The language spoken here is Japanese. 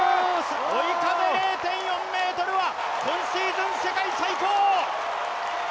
追い風０．４ｍは今シーズン世界最高！